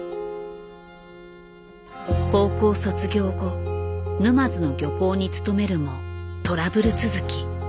高校卒業後沼津の漁港に勤めるもトラブル続き。